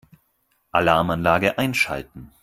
Alarmanlage einschalten.